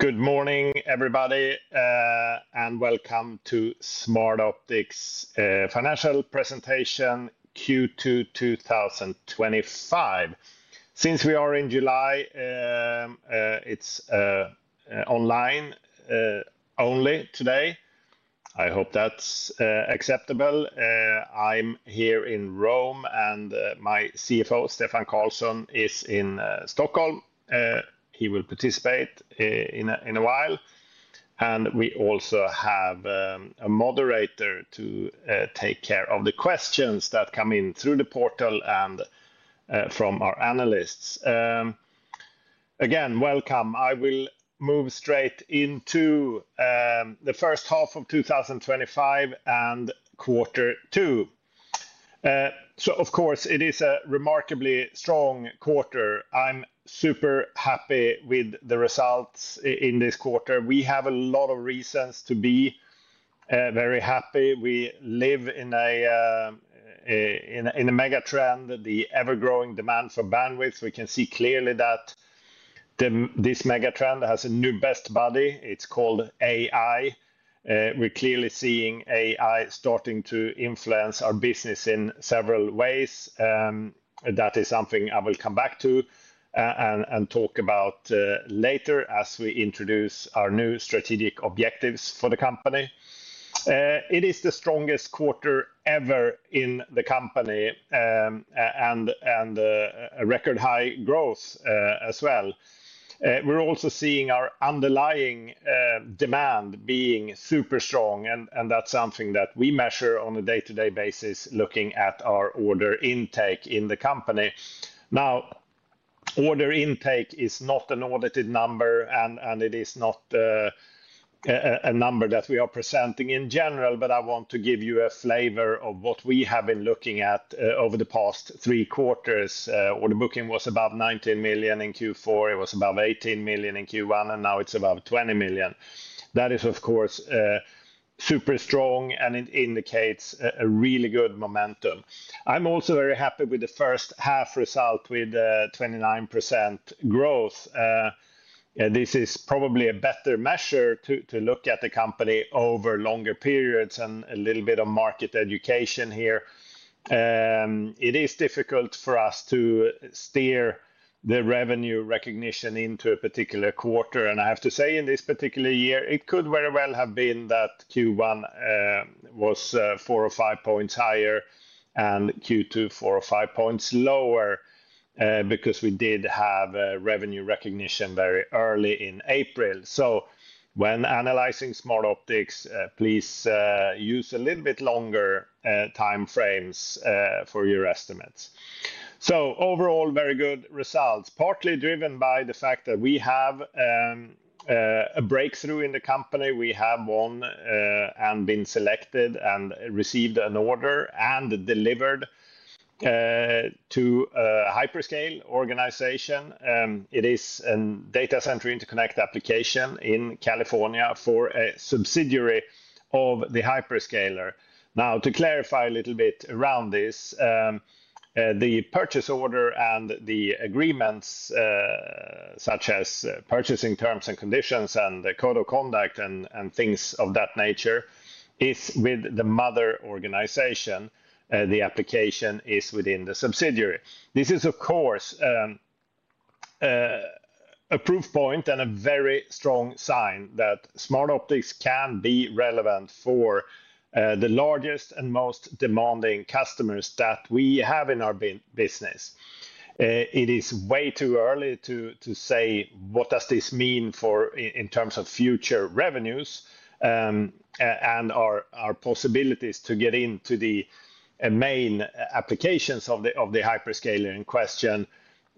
Good morning, everybody, and welcome to Smartoptics Financial Presentation Q2 2025. Since we are in July, it's online only today. I hope that's acceptable. I'm here in Rome, and my CFO, Stefan Karlsson, is in Stockholm. He will participate in a while. We also have a moderator to take care of the questions that come in through the portal and from our analysts. Again, welcome. I will move straight into the first half of 2025 and quarter two. Of course, it is a remarkably strong quarter. I'm super happy with the results in this quarter. We have a lot of reasons to be very happy. We live in a mega trend, the ever-growing demand for bandwidth. We can see clearly that this mega trend has a new best buddy. It's called AI. We're clearly seeing AI starting to influence our business in several ways. That is something I will come back to and talk about later as we introduce our new strategic objectives for the company. It is the strongest quarter ever in the company and a record high growth as well. We're also seeing our underlying demand being super strong, and that's something that we measure on a day-to-day basis, looking at our order intake in the company. Now, order intake is not an audited number, and it is not a number that we are presenting in general, but I want to give you a flavor of what we have been looking at over the past three quarters. Order booking was above $19 million in Q4. It was above $18 million in Q1, and now it's above $20 million. That is, of course, super strong, and it indicates a really good momentum. I'm also very happy with the first half result with 29% growth. This is probably a better measure to look at the company over longer periods and a little bit of market education here. It is difficult for us to steer the revenue recognition into a particular quarter, and I have to say in this particular year, it could very well have been that Q1 was four or five points higher and Q2 four or five points lower because we did have revenue recognition very early in April. When analyzing Smartoptics, please use a little bit longer timeframes for your estimates. Overall, very good results, partly driven by the fact that we have a breakthrough in the company. We have won and been selected and received an order and delivered to a hyperscale organization. It is a data center interconnect application in California for a subsidiary of the hyperscaler. Now, to clarify a little bit around this, the purchase order and the agreements, such as purchasing terms and conditions and the code of conduct and things of that nature, is with the mother organization. The application is within the subsidiary. This is, of course, a proof point and a very strong sign that Smartoptics can be relevant for the largest and most demanding customers that we have in our business. It is way too early to say what does this mean in terms of future revenues and our possibilities to get into the main applications of the hyperscaler in question.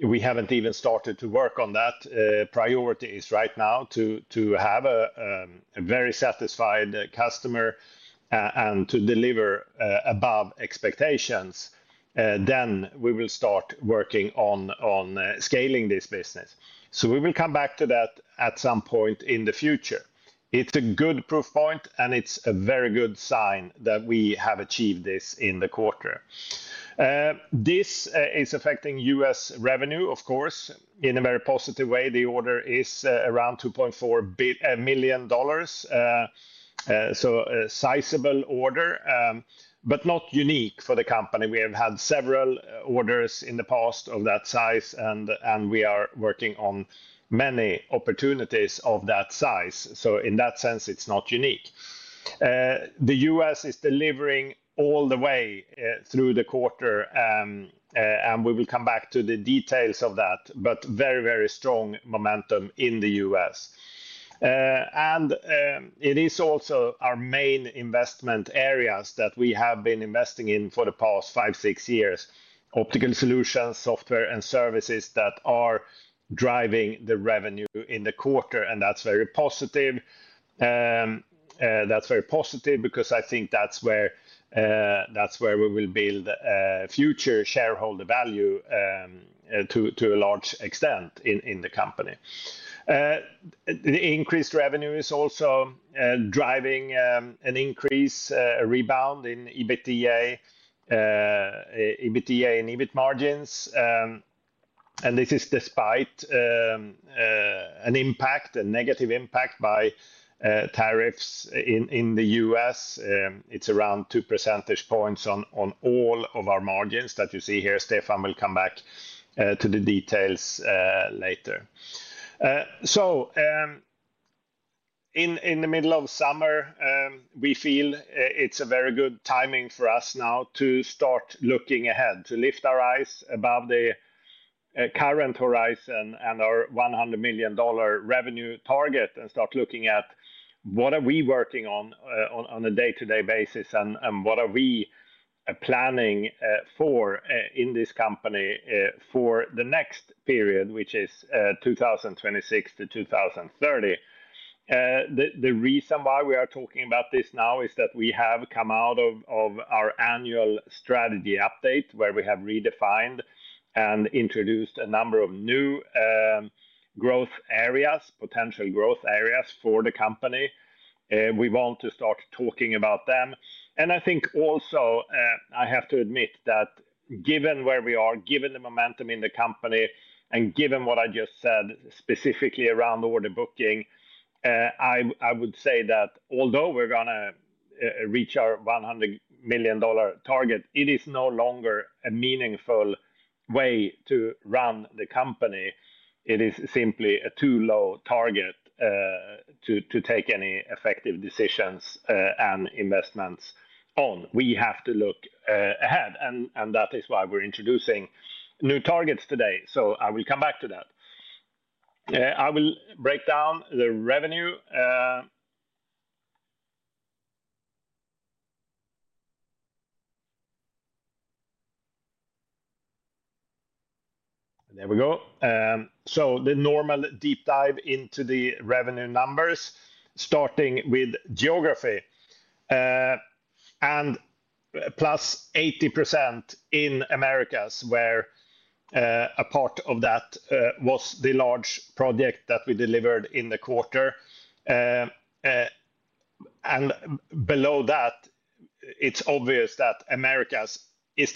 We haven't even started to work on that. Priority is right now to have a very satisfied customer and to deliver above expectations. We will start working on scaling this business. We will come back to that at some point in the future. It's a good proof point, and it's a very good sign that we have achieved this in the quarter. This is affecting U.S. revenue, of course, in a very positive way. The order is around $2.4 million. A sizable order, but not unique for the company. We have had several orders in the past of that size, and we are working on many opportunities of that size. In that sense, it's not unique. The U.S. is delivering all the way through the quarter, and we will come back to the details of that, but very, very strong momentum in the U.S. It is also our main investment areas that we have been investing in for the past 5, 6 years: optical solutions, software, and services that are driving the revenue in the quarter. That's very positive. That's very positive because I think that's where we will build future shareholder value to a large extent in the company. The increased revenue is also driving an increase, a rebound in EBITDA, EBITDA, and EBIT margins. This is despite an impact, a negative impact by tariffs in the U.S. It's around 2% on all of our margins that you see here. Stefan will come back to the details later. In the middle of summer, we feel it's a very good timing for us now to start looking ahead, to lift our eyes above the current horizon and our $100 million revenue target and start looking at what are we working on on a day-to-day basis and what are we planning for in this company for the next period, which is 2026-2030. The reason why we are talking about this now is that we have come out of our annual strategy update where we have redefined and introduced a number of new growth areas, potential growth areas for the company. We want to start talking about them. I think also, I have to admit that given where we are, given the momentum in the company, and given what I just said specifically around order booking, I would say that although we're going to reach our $100 million target, it is no longer a meaningful way to run the company. It is simply a too low target to take any effective decisions and investments on. We have to look ahead, and that is why we're introducing new targets today. I will come back to that. I will break down the revenue. There we go. The normal deep dive into the revenue numbers, starting with geography. Plus 80% in Americas, where a part of that was the large project that we delivered in the quarter. Below that, it's obvious that Americas is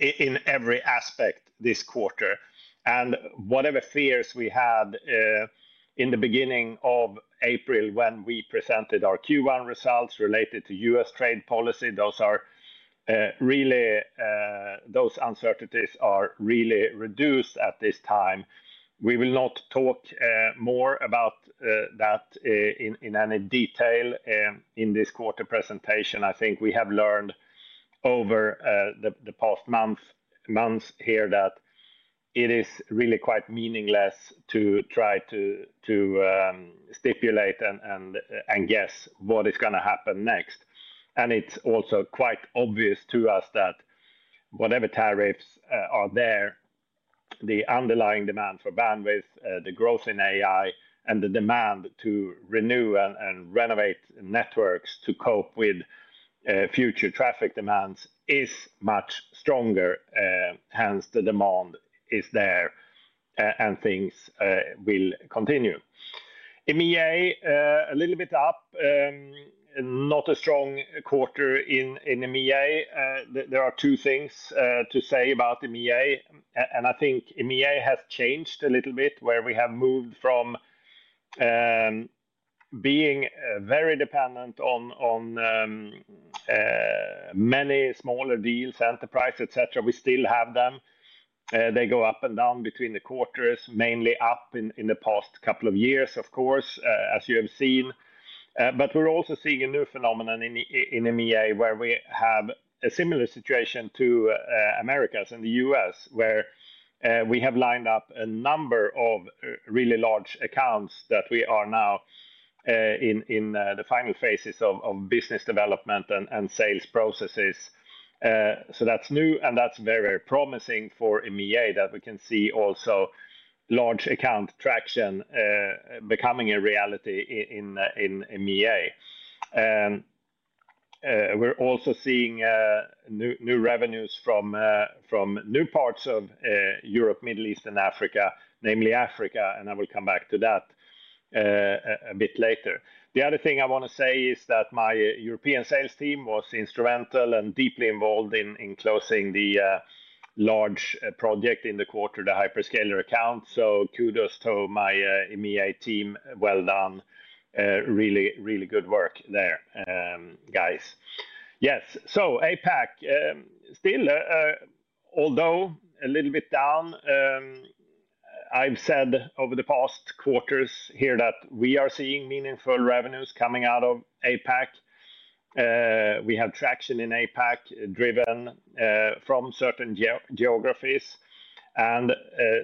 delivering in every aspect this quarter. Whatever fears we had in the beginning of April when we presented our Q1 results related to U.S. trade policy, those are really, those uncertainties are really reduced at this time. We will not talk more about that in any detail in this quarter presentation. I think we have learned over the past months here that it is really quite meaningless to try to stipulate and guess what is going to happen next. It's also quite obvious to us that whatever tariffs are there, the underlying demand for bandwidth, the growth in AI, and the demand to renew and renovate networks to cope with future traffic demands is much stronger. Hence, the demand is there and things will continue. EMEA, a little bit up. Not a strong quarter in EMEA. There are two things to say about EMEA. I think EMEA has changed a little bit where we have moved from being very dependent on many smaller deals, enterprise, etc. We still have them. They go up and down between the quarters, mainly up in the past couple of years, of course, as you have seen. We're also seeing a new phenomenon in EMEA where we have a similar situation to Americas and the U.S., where we have lined up a number of really large accounts that we are now in the final phases of business development and sales processes. That's new, and that's very, very promising for EMEA that we can see also large account traction becoming a reality in EMEA. We're also seeing new revenues from new parts of Europe, Middle East, and Africa, namely Africa, and I will come back to that a bit later. The other thing I want to say is that my European sales team was instrumental and deeply involved in closing the large project in the quarter, the hyperscaler account. Kudos to my EMEA team. Really, really good work there, guys. Yes. APAC, still, although a little bit down, I've said over the past quarters here that we are seeing meaningful revenues coming out of APAC. We have traction in APAC driven from certain geographies and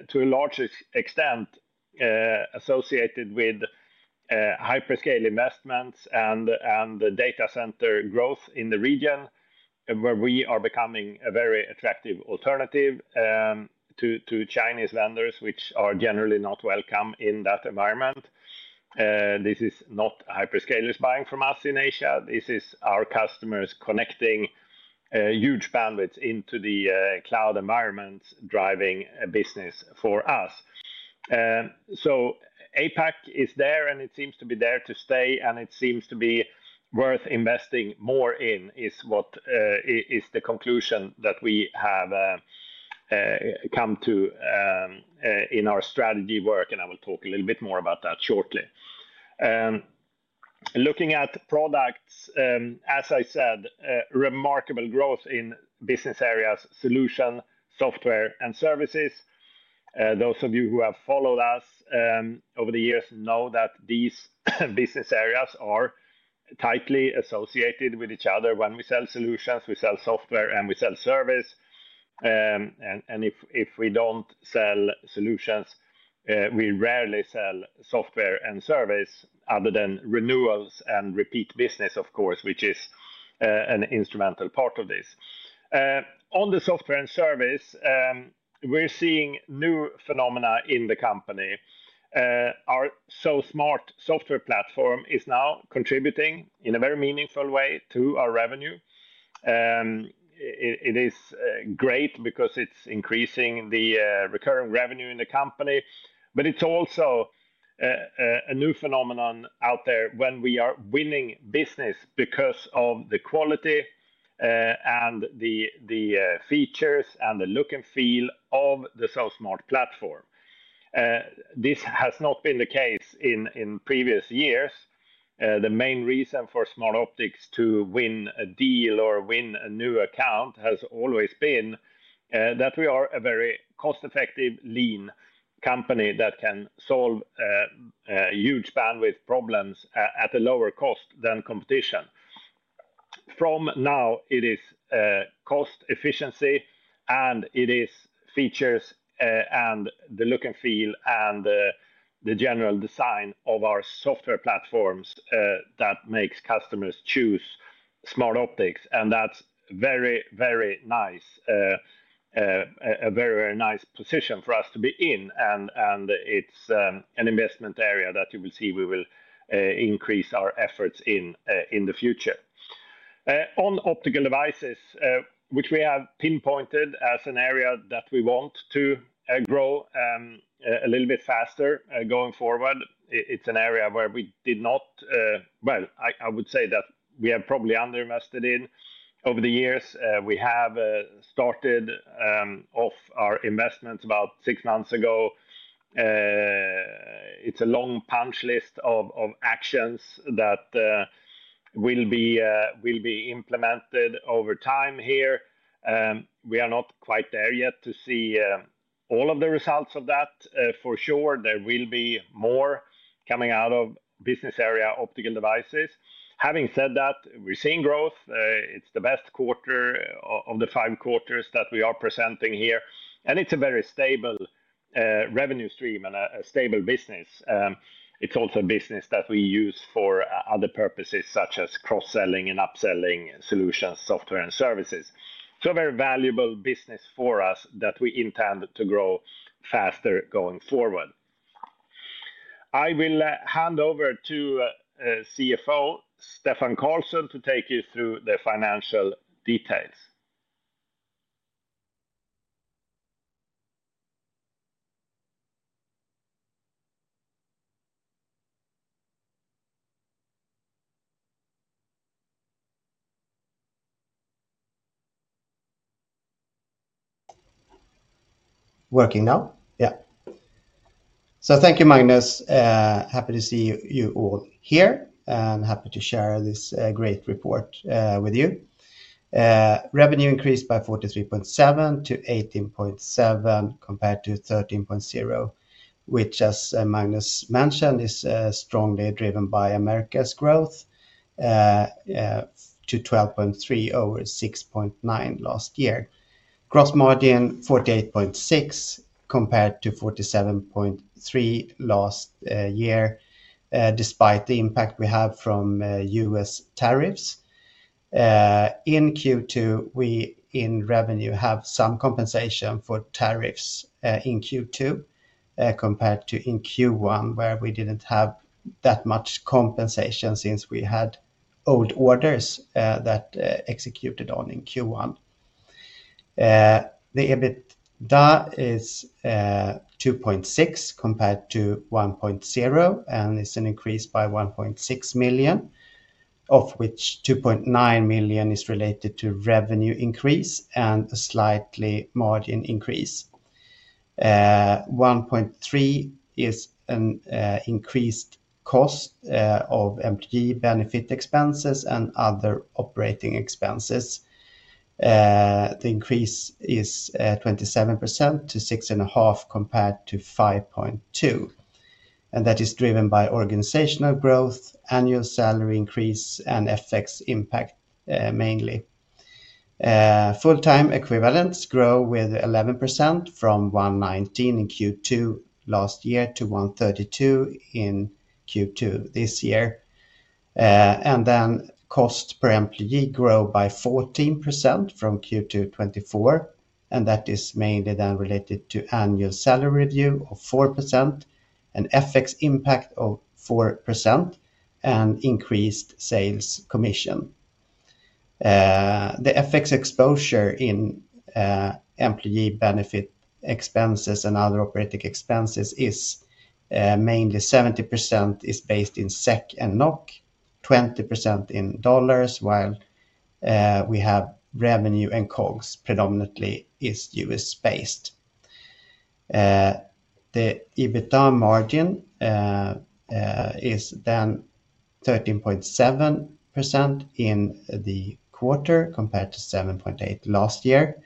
to a large extent associated with hyperscale investments and data center growth in the region where we are becoming a very attractive alternative to Chinese vendors, which are generally not welcome in that environment. This is not hyperscalers buying from us in Asia. This is our customers connecting huge bandwidths into the cloud environments, driving a business for us. APAC is there, and it seems to be there to stay, and it seems to be worth investing more in, is the conclusion that we have come to in our strategy work. I will talk a little bit more about that shortly. Looking at products, as I said, remarkable growth in business areas, solution, software, and services. Those of you who have followed us over the years know that these business areas are tightly associated with each other. When we sell solutions, we sell software, and we sell service. If we don't sell solutions, we rarely sell software and service other than renewals and repeat business, of course, which is an instrumental part of this. On the software and service, we're seeing new phenomena in the company. Our SoSmart software platform is now contributing in a very meaningful way to our revenue. It is great because it's increasing the recurring revenue in the company, but it's also a new phenomenon out there when we are winning business because of the quality and the features and the look and feel of the SoSmart platform. This has not been the case in previous years. The main reason for Smartoptics to win a deal or win a new account has always been that we are a very cost-effective, lean company that can solve huge bandwidth problems at a lower cost than competition. From now, it is cost efficiency, and it is features and the look and feel and the general design of our software platforms that makes customers choose Smartoptics. That's very, very nice, a very, very nice position for us to be in. It's an investment area that you will see we will increase our efforts in in the future. On optical devices, which we have pinpointed as an area that we want to grow a little bit faster going forward, it's an area where we did not, I would say that we have probably underinvested in over the years. We have started off our investments about 6 months ago. It's a long punch list of actions that will be implemented over time here. We are not quite there yet to see all of the results of that. For sure, there will be more coming out of business area optical devices. Having said that, we're seeing growth. It's the best quarter of the five quarters that we are presenting here. It's a very stable revenue stream and a stable business. It's also a business that we use for other purposes such as cross-selling and upselling solutions, software, and services. A very valuable business for us that we intend to grow faster going forward. I will hand over to CFO Stefan Karlsson to take you through the financial details. Working now. Yeah. Thank you, Magnus. Happy to see you all here. I'm happy to share this great report with you. Revenue increased by 43.7% to $18.7 million compared to $13.0 million, which, as Magnus mentioned, is strongly driven by Americas growth to $12.3 million over $6.9 million last year. Gross margin 48.6% compared to 47.3% last year, despite the impact we have from U.S. tariffs. In Q2, we in revenue have some compensation for tariffs in Q2 compared to in Q1, where we didn't have that much compensation since we had old orders that executed on in Q1. The EBITDA is $2.6 million compared to $1.0 million, and it's an increase by $1.6 million, of which $2.9 million is related to revenue increase and a slight margin increase. $1.3 million is an increased cost of employee benefit expenses and other operating expenses. The increase is 27% to $6.5 million compared to $5.2 million. That is driven by organizational growth, annual salary increase, and FX impact mainly. Full-time equivalents grow with 11% from 119 in Q2 last year to 132 in Q2 this year. Costs per employee grow by 14% from Q2 to 24. That is mainly then related to annual salary review of 4% and FX impact of 4% and increased sales commission. The FX exposure in employee benefit expenses and other operating expenses is mainly 70% based in SEK and NOK, 20% in dollars, while we have revenue and COGS predominantly U.S.-based. The EBITDA margin is then 13.7% in the quarter compared to 7.8% last year.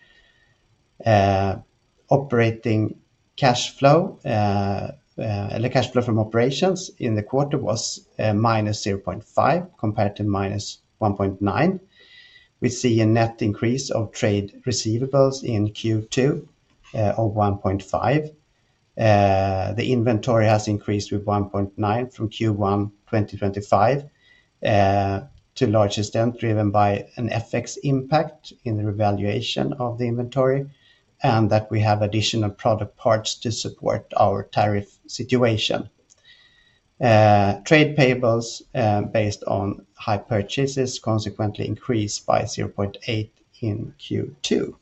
Operating cash flow from operations in the quarter was -$0.5 million compared to -$1.9 million. We see a net increase of trade receivables in Q2 of $1.5 million. The inventory has increased with 1.9% from Q1 2025 to a large extent driven by an FX impact in the revaluation of the inventory and that we have additional product parts to support our tariff situation. Trade payables based on high purchases consequently increased by 0.8% in Q2.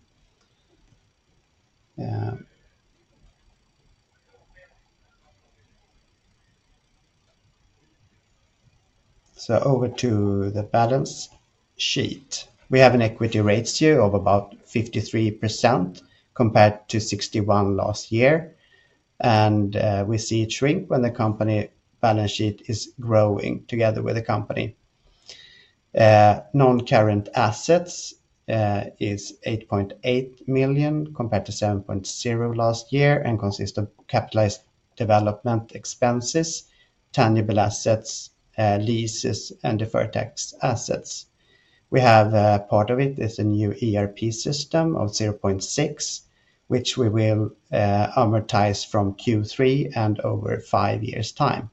Over to the balance sheet, we have an equity ratio of about 53% compared to 61% last year. We see it shrink when the company balance sheet is growing together with the company. Non-current assets is $8.8 million compared to $7.0 million last year and consists of capitalized development expenses, tangible assets, leases, and deferred tax assets. We have part of it is a new ERP system of 0.6%, which we will amortize from Q3 and over 5 years' time.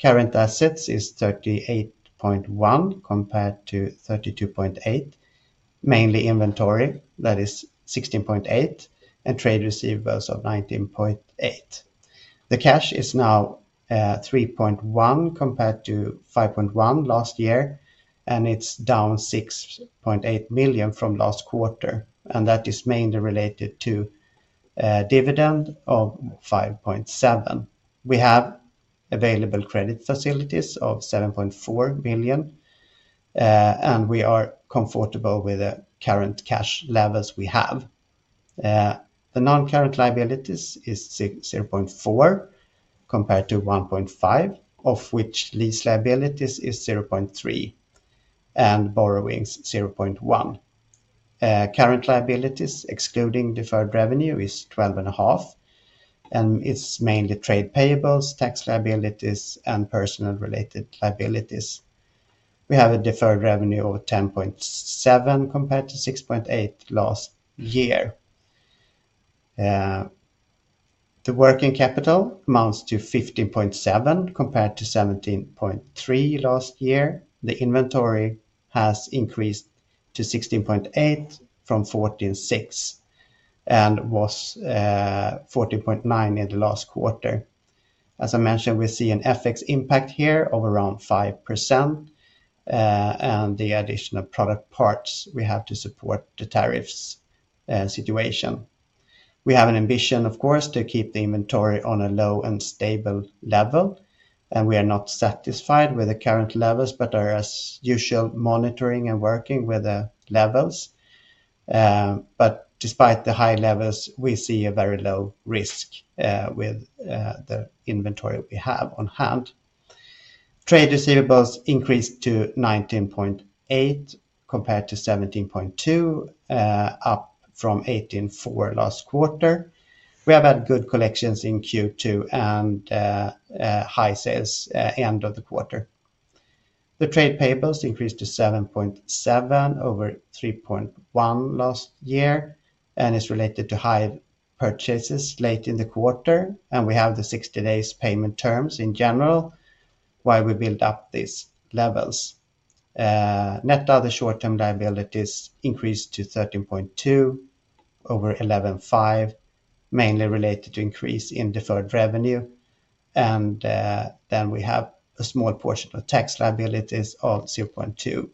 Current assets is $38.1 million compared to $32.8 million, mainly inventory, that is $16.8 million, and trade receivables of $19.8 million. The cash is now $3.1 million compared to $5.1 million last year, and it's down $6.8 million from last quarter. That is mainly related to a dividend of 5.7%. We have available credit facilities of $7.4 million, and we are comfortable with the current cash levels we have. The non-current liabilities is 0.4% compared to 1.5%, of which lease liabilities is 0.3% and borrowings 0.1%. Current liabilities, excluding deferred revenue, is 12.5%, and it's mainly trade payables, tax liabilities, and personnel-related liabilities. We have a deferred revenue of 10.7% compared to 6.8% last year. The working capital amounts to $15.7 million compared to $17.3 million last year. The inventory has increased to $16.8 million from $14.6 million and was $14.9 million in the last quarter. As I mentioned, we see an FX impact here of around 5% and the additional product parts we have to support the tariffs situation. We have an ambition, of course, to keep the inventory on a low and stable level, and we are not satisfied with the current levels, but are as usual monitoring and working with the levels. Despite the high levels, we see a very low risk with the inventory we have on hand. Trade receivables increased to $19.8 million compared to $17.2 million, up from $18.4 million last quarter. We have had good collections in Q2 and high sales end of the quarter. The trade payables increased to $7.7 million over $3.1 million last year and is related to high purchases late in the quarter. We have the 60-day payment terms in general while we build up these levels. Net other short-term liabilities increased to 13.2% over 11.5%, mainly related to increase in deferred revenue. We have a small portion of tax liabilities of 0.2%.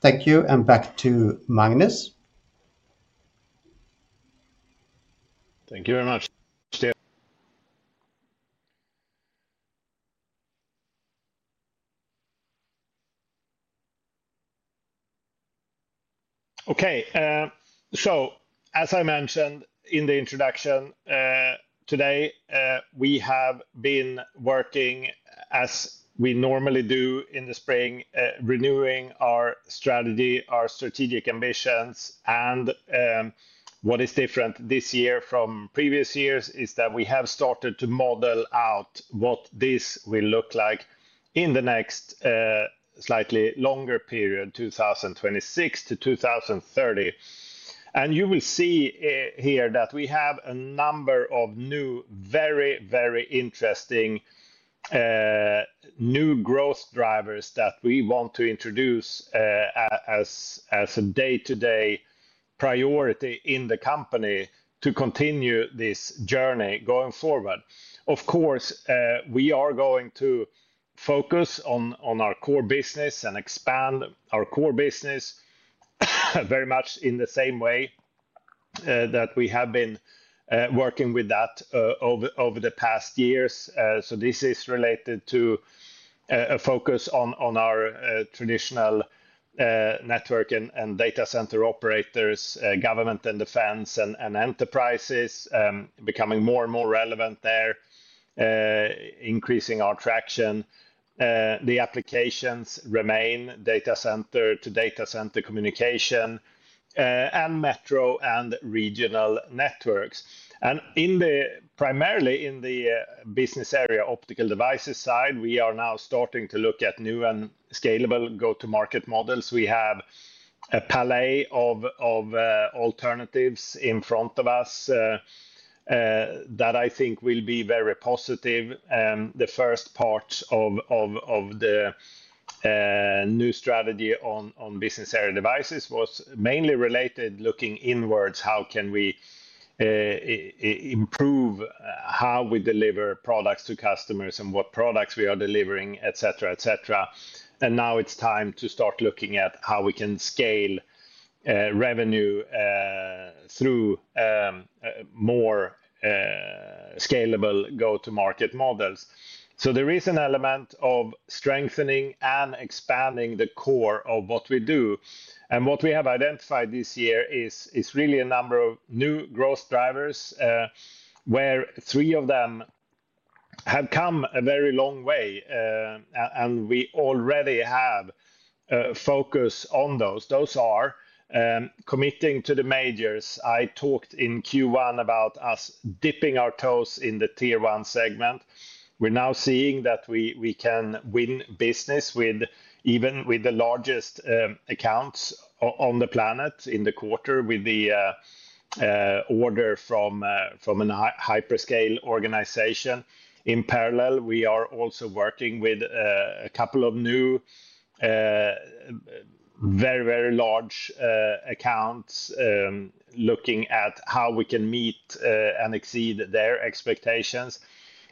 Thank you. Back to Magnus. Thank you very much, Stefan. Okay. As I mentioned in the introduction, today we have been working as we normally do in the spring, renewing our strategy, our strategic ambitions. What is different this year from previous years is that we have started to model out what this will look like in the next slightly longer period, 2026-2030. You will see here that we have a number of new, very, very interesting new growth drivers that we want to introduce as a day-to-day priority in the company to continue this journey going forward. Of course, we are going to focus on our core business and expand our core business very much in the same way that we have been working with that over the past years. This is related to a focus on our traditional network and data center operators, government and defense, and enterprises becoming more and more relevant there, increasing our traction. The applications remain data center to data center communication and metro and regional networks. Primarily in the business area optical devices side, we are now starting to look at new and scalable go-to-market models. We have a palette of alternatives in front of us that I think will be very positive. The first part of the new strategy on business area devices was mainly related to looking inwards. How can we improve how we deliver products to customers and what products we are delivering, etc., etc.? Now it's time to start looking at how we can scale revenue through more scalable go-to-market models. There is an element of strengthening and expanding the core of what we do. What we have identified this year is really a number of new growth drivers where three of them have come a very long way, and we already have a focus on those. Those are committing to the majors. I talked in Q1 about us dipping our toes in the Tier 1 segment. We're now seeing that we can win business with even the largest accounts on the planet in the quarter with the order from a hyperscale organization. In parallel, we are also working with a couple of new, very, very large accounts looking at how we can meet and exceed their expectations.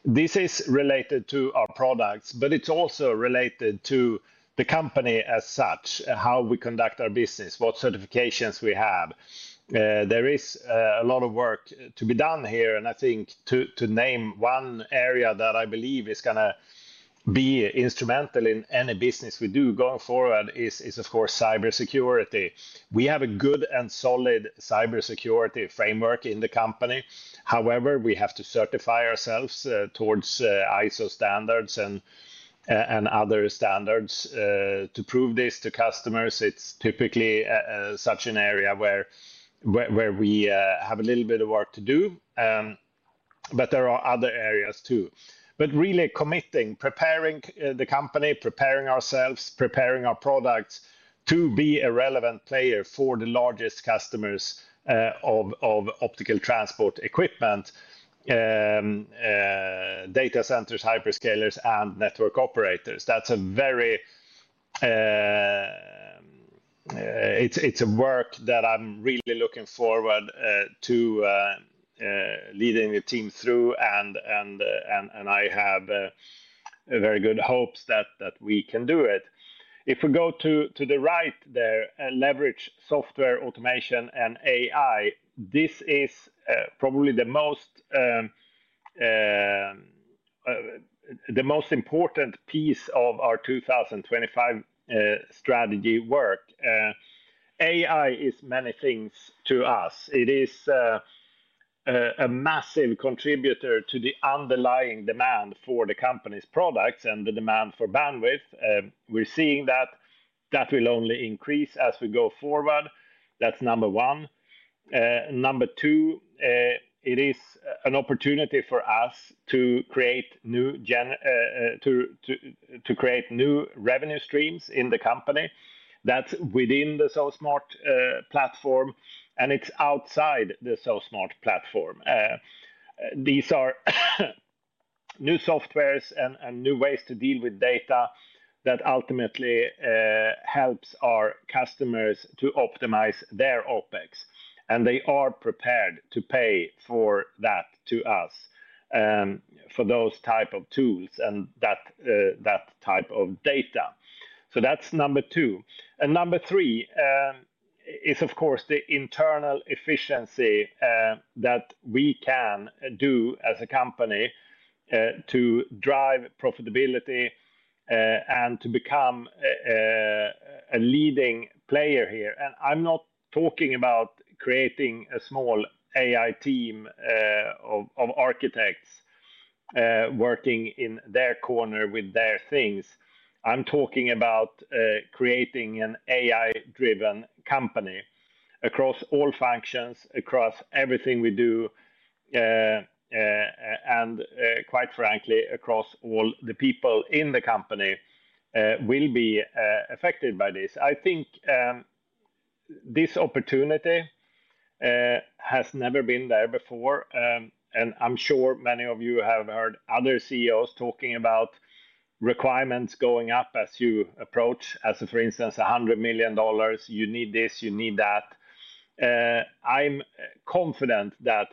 This is related to our products, but it's also related to the company as such, how we conduct our business, what certifications we have. There is a lot of work to be done here. I think to name one area that I believe is going to be instrumental in any business we do going forward is, of course, cybersecurity. We have a good and solid cybersecurity framework in the company. However, we have to certify ourselves towards ISO standards and other standards to prove this to customers. It's typically such an area where we have a little bit of work to do, but there are other areas too. Really committing, preparing the company, preparing ourselves, preparing our products to be a relevant player for the largest customers of optical transport equipment, data centers, hyperscalers, and network operators is a work that I'm really looking forward to leading the team through, and I have very good hopes that we can do it. If we go to the right there, leverage software automation and AI, this is probably the most important piece of our 2025 strategy work. AI is many things to us. It is a massive contributor to the underlying demand for the company's products and the demand for bandwidth. We're seeing that that will only increase as we go forward. That's number one. Number two, it is an opportunity for us to create new revenue streams in the company. That's within the SoSmart platform, and it's outside the SoSmart platform. These are new softwares and new ways to deal with data that ultimately helps our customers to optimize their OpEx. They are prepared to pay for that to us for those types of tools and that type of data. That's number two. Number three is, of course, the internal efficiency that we can do as a company to drive profitability and to become a leading player here. I'm not talking about creating a small AI team of architects working in their corner with their things. I'm talking about creating an AI-driven company across all functions, across everything we do, and quite frankly, across all the people in the company will be affected by this. I think this opportunity has never been there before. I'm sure many of you have heard other CEOs talking about requirements going up as you approach, as for instance, $100 million. You need this. You need that. I'm confident that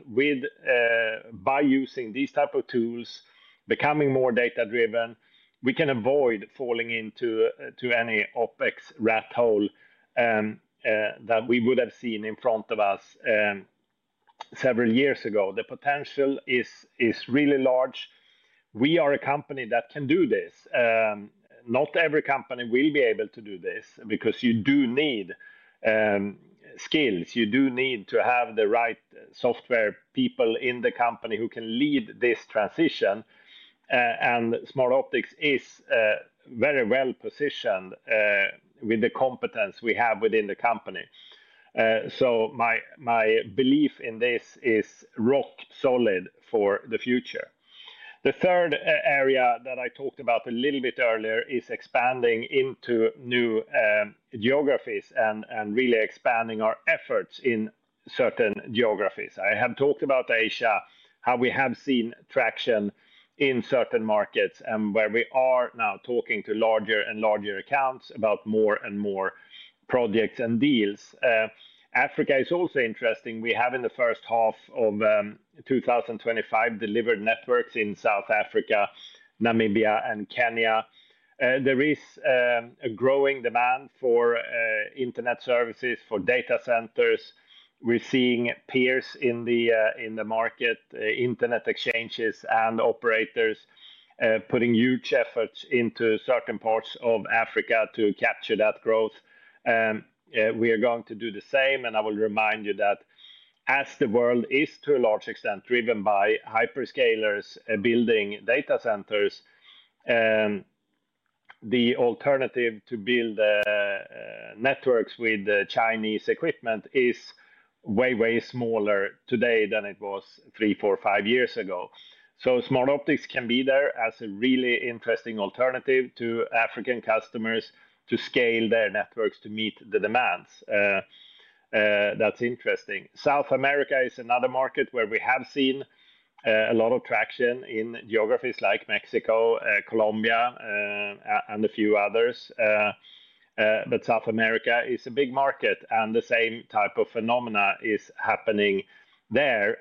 by using these types of tools, becoming more data-driven, we can avoid falling into any OpEx rat hole that we would have seen in front of us several years ago. The potential is really large. We are a company that can do this. Not every company will be able to do this because you do need skills. You do need to have the right software people in the company who can lead this transition. Smartoptics is very well positioned with the competence we have within the company. My belief in this is rock solid for the future. The third area that I talked about a little bit earlier is expanding into new geographies and really expanding our efforts in certain geographies. I have talked about Asia, how we have seen traction in certain markets and where we are now talking to larger and larger accounts about more and more projects and deals. Africa is also interesting. We have, in the first half of 2025, delivered networks in South Africa, Namibia, and Kenya. There is a growing demand for internet services, for data centers. We're seeing peers in the market, internet exchanges and operators putting huge efforts into certain parts of Africa to capture that growth. We are going to do the same. I will remind you that as the world is to a large extent driven by hyperscalers building data centers, the alternative to build networks with Chinese equipment is way, way smaller today than it was 3, 4, 5 years ago. Smartoptics can be there as a really interesting alternative to African customers to scale their networks to meet the demands. That's interesting. South America is another market where we have seen a lot of traction in geographies like Mexico, Colombia, and a few others. South America is a big market, and the same type of phenomena is happening there,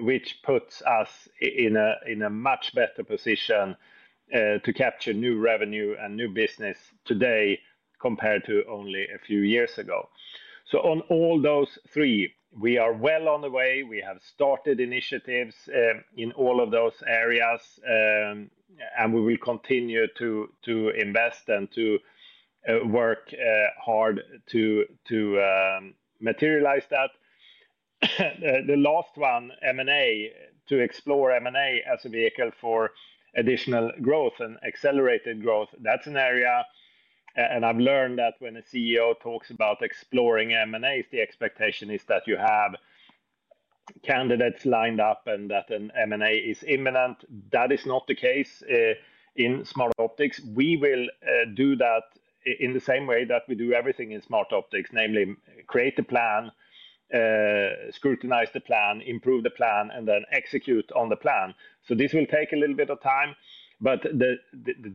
which puts us in a much better position to capture new revenue and new business today compared to only a few years ago. On all those three, we are well on the way. We have started initiatives in all of those areas, and we will continue to invest and to work hard to materialize that. The last one, M&A, to explore M&A as a vehicle for additional growth and accelerated growth, that's an area. I've learned that when a CEO talks about exploring M&As, the expectation is that you have candidates lined up and that an M&A is imminent. That is not the case in Smartoptics. We will do that in the same way that we do everything in Smartoptics, namely create a plan, scrutinize the plan, improve the plan, and then execute on the plan. This will take a little bit of time. The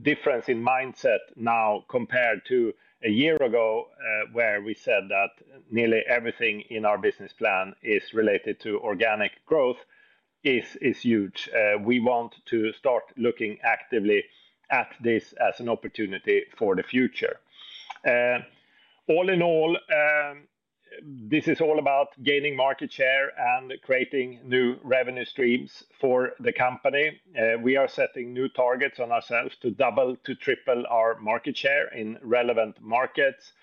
difference in mindset now compared to a year ago where we said that nearly everything in our business plan is related to organic growth is huge. We want to start looking actively at this as an opportunity for the future. All in all, this is all about gaining market share and creating new revenue streams for the company. We are setting new targets on ourselves to double to triple our market share in relevant markets.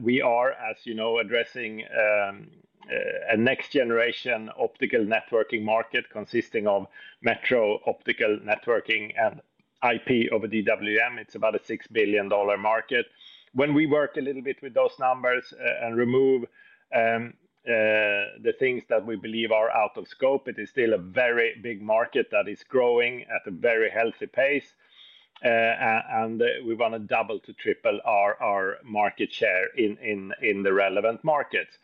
We are, as you know, addressing a next-generation optical networking market consisting of metro optical networking and IP over DWM. It's about a $6 billion market. When we work a little bit with those numbers and remove the things that we believe are out of scope, it is still a very big market that is growing at a very healthy pace. We want to double to triple our market share in the relevant markets.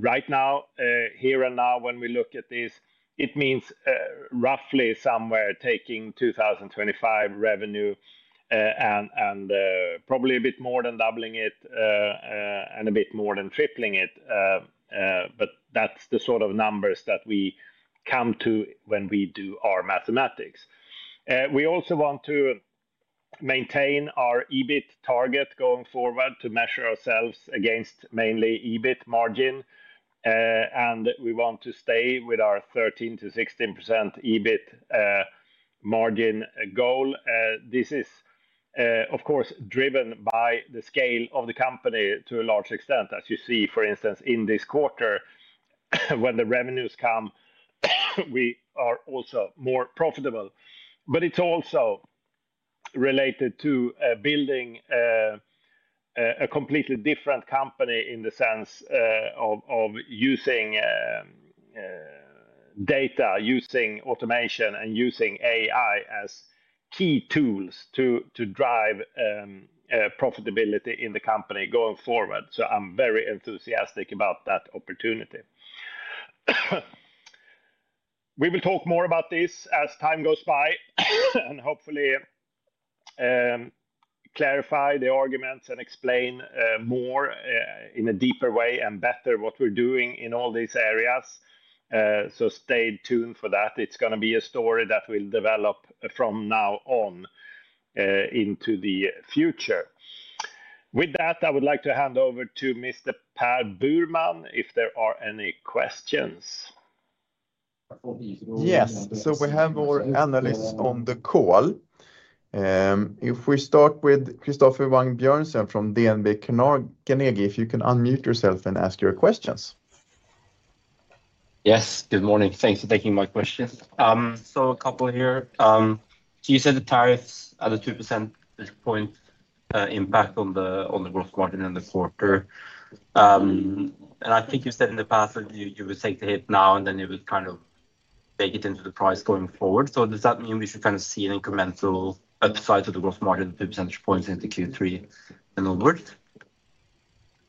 Right now, here and now, when we look at this, it means roughly somewhere taking 2025 revenue and probably a bit more than doubling it and a bit more than tripling it. That's the sort of numbers that we come to when we do our mathematics. We also want to maintain our EBIT target going forward to measure ourselves against mainly EBIT margin. We want to stay with our 13%-16% EBIT margin goal. This is, of course, driven by the scale of the company to a large extent. As you see, for instance, in this quarter, when the revenues come, we are also more profitable. It's also related to building a completely different company in the sense of using data, using automation, and using AI as key tools to drive profitability in the company going forward. I'm very enthusiastic about that opportunity. We will talk more about this as time goes by and hopefully clarify the arguments and explain more in a deeper way and better what we're doing in all these areas. Stay tuned for that. It's going to be a story that will develop from now on into the future. With that, I would like to hand over to Mr. Per Burman if there are any questions. Yes. We have our analysts on the call. If we start with Christoffer Wang Bjørnsen from DNB Carnegie, if you can unmute yourself and ask your questions. Yes. Good morning. Thanks for taking my question. A couple here. You said the tariffs at the 2% point impact on the gross margin in the quarter. I think you said in the past that you would take it now and then you would kind of make it into the price going forward. Does that mean we should kind of see an incremental at the size of the gross margin percentage points into Q3 and onwards?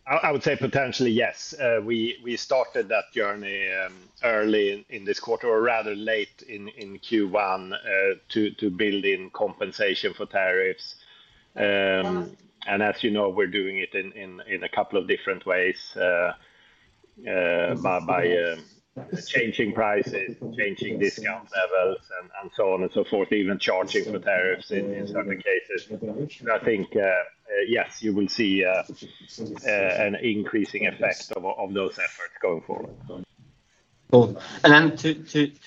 I would say potentially, yes. We started that journey early in this quarter or rather late in Q1 to build in compensation for tariffs. As you know, we're doing it in a couple of different ways by changing prices, changing discount levels, and so on and so forth, even charging for tariffs in some cases. I think, yes, you will see an increasing effect of those efforts going forward.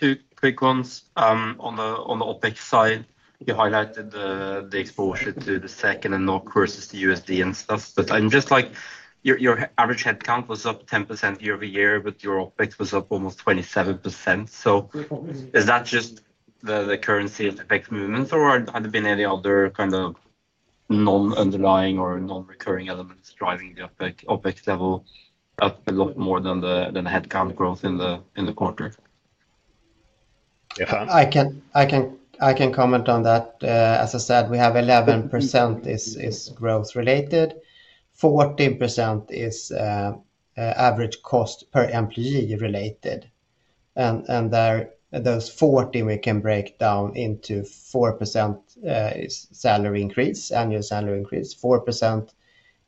Two quick ones on the OpEx side. You highlighted the exposure to the SEK and the NOK versus the USD and stuff. I'm just like your average headcount was up 10% year-over-year, but your OpEx was up almost 27%. Is that just the currency effect movement, or have there been any other kind of non-underlying or non-recurring elements driving the OpEx level up a lot more than the headcount growth in the quarter? I can comment on that. As I said, we have 11% is growth-related. 14% is average cost per employee-related. Those 14% we can break down into 4% salary increase, annual salary increase, 4%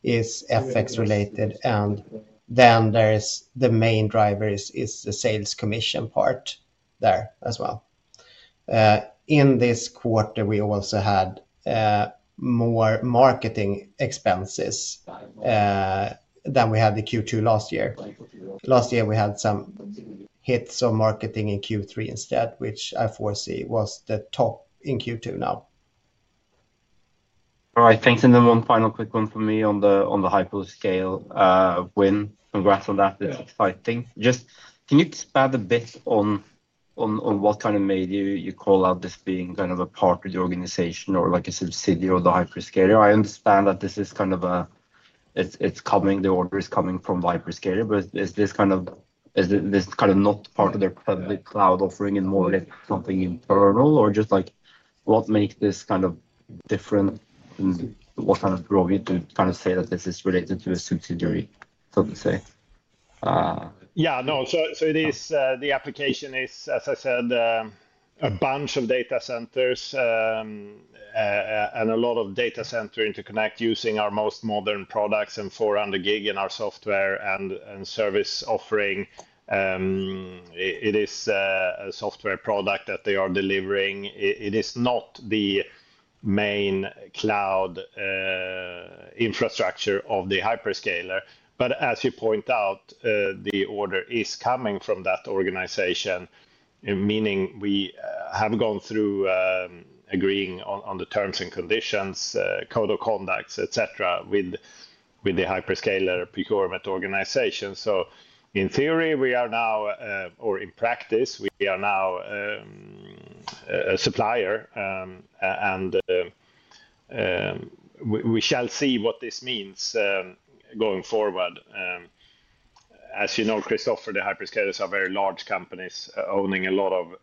is FX-related, and the main driver is the sales commission part there as well. In this quarter, we also had more marketing expenses than we had in Q2 last year. Last year, we had some hits of marketing in Q3 instead, which I foresee was the top in Q2 now. All right. Thanks. One final quick one for me on the hyperscale win. Congrats on that. It's exciting. Can you add a bit on what kind of made you call out this being kind of a part of the organization or like a subsidiary of the hyperscaler? I understand that this is kind of a it's coming. The order is coming from hyperscaler. Is this kind of not part of their public cloud offering and more something internal? What makes this kind of different? What kind of growth do you say that this is related to a subsidiary, so to say? Yeah. No. The application is, as I said, a bunch of data centers and a lot of data center interconnect using our most modern products and 400 gig in our software and service offering. It is a software product that they are delivering. It is not the main cloud infrastructure of the hyperscaler. As you point out, the order is coming from that organization, meaning we have gone through agreeing on the terms and conditions, code of conduct, etc., with the hyperscaler procurement organization. In theory, we are now, or in practice, we are now a supplier. We shall see what this means going forward. As you know, Christoffer, the hyperscalers are very large companies owning a lot of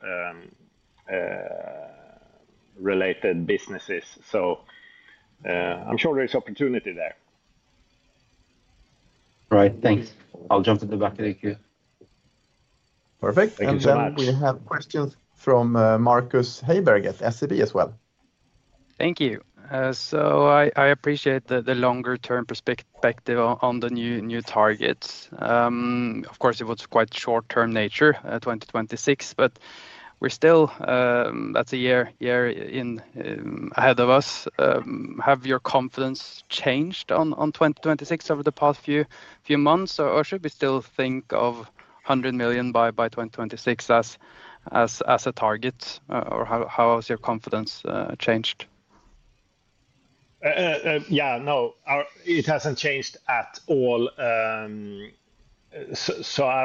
related businesses. I'm sure there is opportunity there. All right. Thanks. I'll jump to the back. Thank you. Perfect. Thank you very much. We have questions from Markus Heiberg at SEB as well. Thank you. I appreciate the longer-term perspective on the new targets. Of course, it was quite short-term in nature, 2026, but that's a year ahead of us. Has your confidence changed on 2026 over the past few months? Should we still think of $100 million by 2026 as a target? How has your confidence changed? No, it hasn't changed at all. I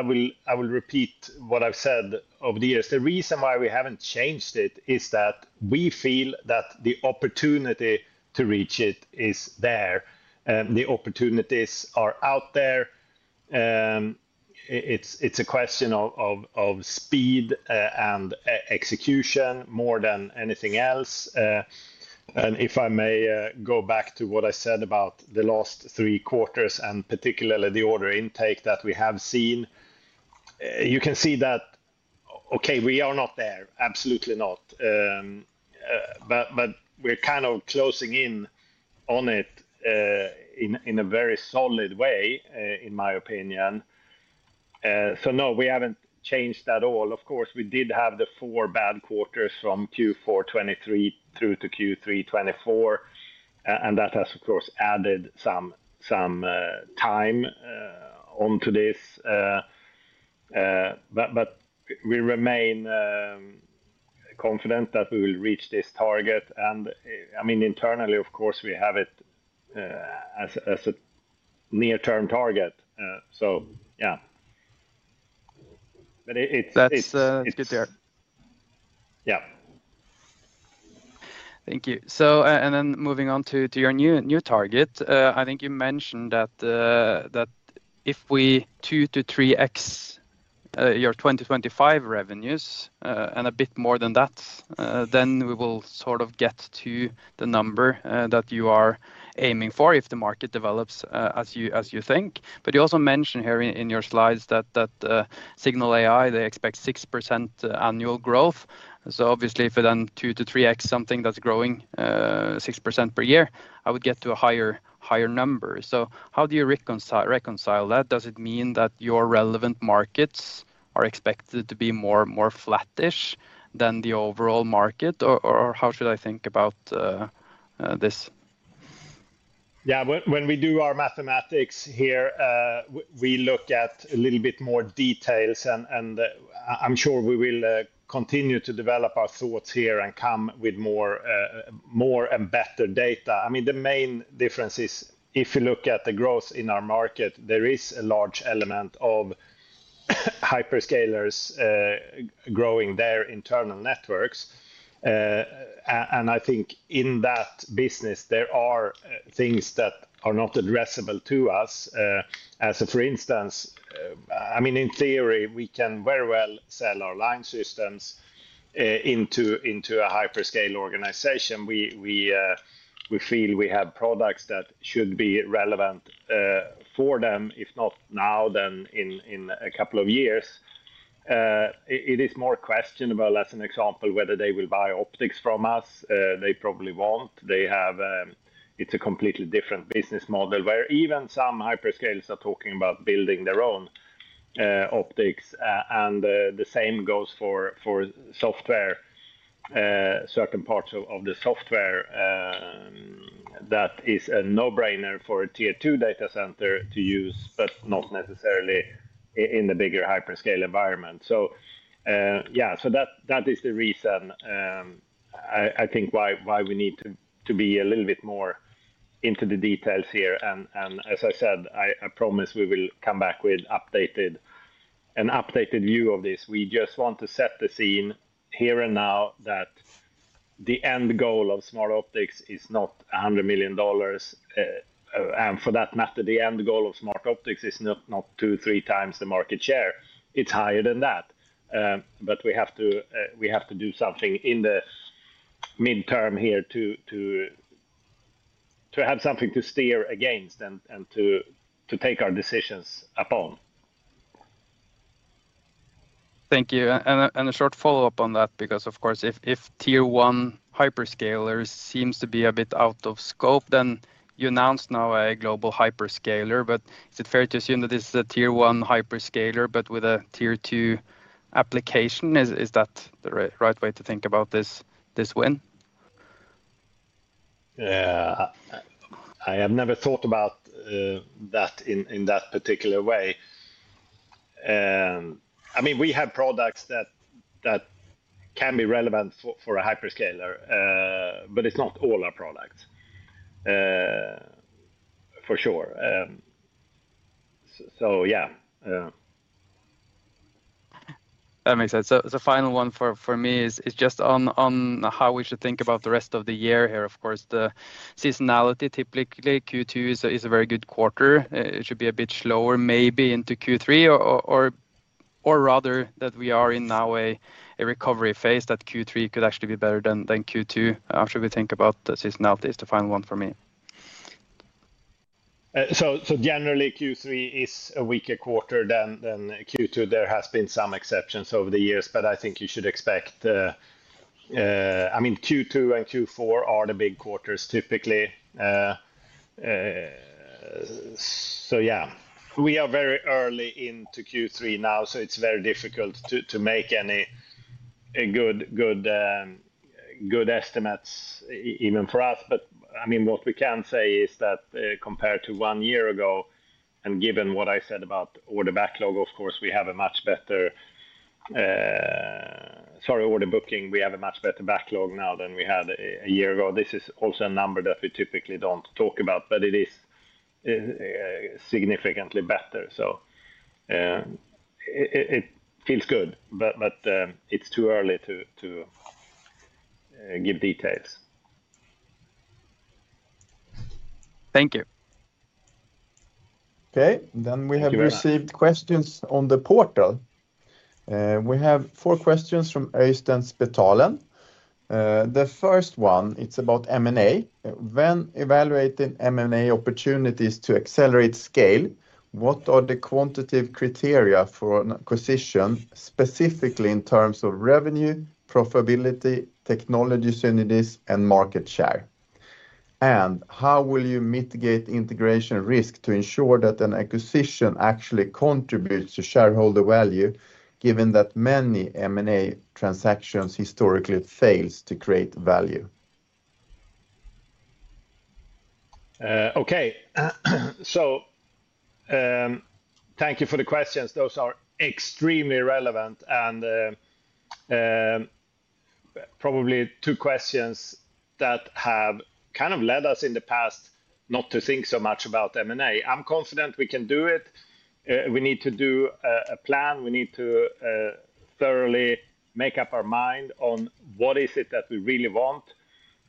will repeat what I've said over the years. The reason why we haven't changed it is that we feel that the opportunity to reach it is there. The opportunities are out there. It's a question of speed and execution more than anything else. If I may go back to what I said about the last three quarters and particularly the order intake that we have seen, you can see that, okay, we are not there. Absolutely not. We're kind of closing in on it in a very solid way, in my opinion. No, we haven't changed at all. Of course, we did have the four bad quarters from Q4 2023 through to Q3 2024. That has, of course, added some time onto this. We remain confident that we will reach this target. I mean, internally, of course, we have it as a near-term target. That's good to hear. Yeah. Thank you. Moving on to your new target, I think you mentioned that if we 2-3x your 2025 revenues and a bit more than that, then we will sort of get to the number that you are aiming for if the market develops as you think. You also mentioned here in your slides that Cignal AI expects 6% annual growth. Obviously, if it 2-3x something that's growing 6% per year, I would get to a higher number. How do you reconcile that? Does it mean that your relevant markets are expected to be more flattish than the overall market? How should I think about this? Yeah. When we do our mathematics here, we look at a little bit more details. I'm sure we will continue to develop our thoughts here and come with more and better data. The main difference is if you look at the growth in our market, there is a large element of hyperscalers growing their internal networks. I think in that business, there are things that are not addressable to us. For instance, in theory, we can very well sell our line systems into a hyperscale organization. We feel we have products that should be relevant for them, if not now, then in a couple of years. It is more questionable, as an example, whether they will buy optics from us. They probably won't. It's a completely different business model where even some hyperscalers are talking about building their own optics. The same goes for software, certain parts of the software that is a no-brainer for a Tier 2 data center to use, but not necessarily in the bigger hyperscale environment. That is the reason, I think, why we need to be a little bit more into the details here. As I said, I promise we will come back with an updated view of this. We just want to set the scene here and now that the end goal of Smartoptics is not $100 million. For that matter, the end goal of Smartoptics is not two, three times the market share. It's higher than that. We have to do something in the midterm here to have something to steer against and to take our decisions upon. Thank you. A short follow-up on that, because if Tier 1 hyperscalers seem to be a bit out of scope, you announced now a global hyperscaler. Is it fair to assume that this is a Tier 1 hyperscaler, but with a Tier 2 application? Is that the right way to think about this win? I have never thought about that in that particular way. I mean, we have products that can be relevant for a hyperscaler, but it's not all our products for sure. Yeah. That makes sense. The final one for me is just on how we should think about the rest of the year here. Of course, the seasonality, typically Q2 is a very good quarter. It should be a bit slower maybe into Q3, or rather that we are in now a recovery phase, that Q3 could actually be better than Q2. After we think about the seasonality, it's the final one for me. Generally, Q3 is a weaker quarter than Q2. There have been some exceptions over the years, but I think you should expect, I mean, Q2 and Q4 are the big quarters typically. We are very early into Q3 now, so it's very difficult to make any good estimates even for us. What we can say is that compared to 1 year ago, and given what I said about order backlog, of course, we have a much better, sorry, order booking, we have a much better backlog now than we had a year ago. This is also a number that we typically don't talk about, but it is significantly better. It feels good, but it's too early to give details. Thank you. Okay. We have received questions on the portal. We have four questions from Øystein Spetalen. The first one is about M&A. When evaluating M&A opportunities to accelerate scale, what are the quantitative criteria for an acquisition specifically in terms of revenue, profitability, technology synergy, and market share? How will you mitigate integration risk to ensure that an acquisition actually contributes to shareholder value, given that many M&A transactions historically fail to create value? Thank you for the questions. Those are extremely relevant and probably two questions that have kind of led us in the past not to think so much about M&A. I'm confident we can do it. We need to do a plan. We need to thoroughly make up our mind on what is it that we really want.